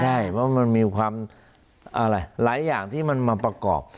ใช่เพราะมันมีความอะไรหลายอย่างที่มันมาประกอบ